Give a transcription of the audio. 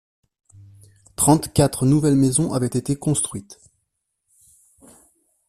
Trente-quatre nouvelles maisons avaient été construites.